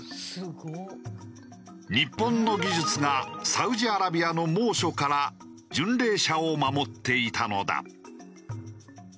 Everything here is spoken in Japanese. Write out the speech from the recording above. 日本の技術がサウジアラビアの猛暑から巡礼者を守っていたのだ。